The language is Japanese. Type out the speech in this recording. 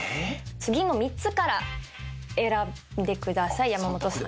次の３つから選んでください山本さん。